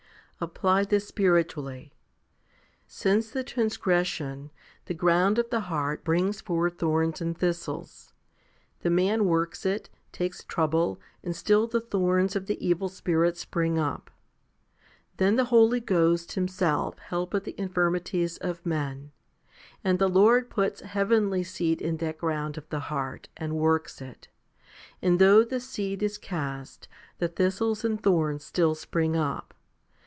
Apply this spiritually. Since the transgression the ground of the heart brings forth thorns and thistles. The man works it, takes trouble, and still the thorns of the evil spirits spring up. Then the Holy Ghost Himself helpeth the infirmities of men, 4 and the Lord puts heavenly seed in that ground of the 1 John xv. 2. 2 John iv. 23. 3 Gen. iii. 18. 4 Rom. viii. 26. 196 FIFTY SPIRITUAL HOMILIES heart, and works it ; and though the seed is cast, the thistles and thorns still spring up.